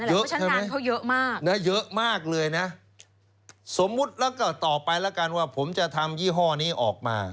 เยอะใช่ไหมเขาเยอะมากนะเยอะมากเลยนะสมมุติแล้วก็ต่อไปแล้วกันว่าผมจะทำยี่ห้อนี้ออกมา